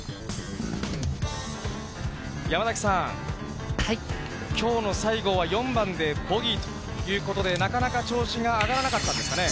山崎さん、きょうの西郷は４番でボギーということで、なかなか調子が上がらなかったんですかね。